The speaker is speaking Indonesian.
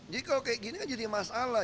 jadi kalau kayak gini kan jadi masalah